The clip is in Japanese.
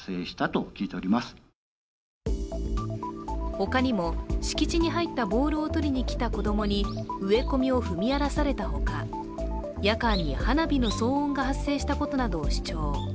他にも、敷地に入ったボールを取りに来た子供に植え込みを踏み荒らされたほか夜間に花火の騒音が発生したことなどを主張。